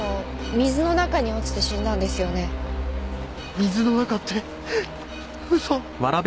水の中って嘘！